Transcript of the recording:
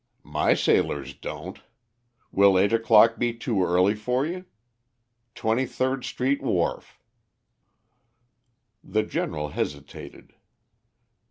"My sailors don't. Will eight o'clock be too early for you? Twenty third Street wharf." The General hesitated.